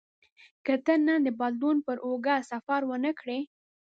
که ته نن د بدلون پر اوږو سفر ونه کړې.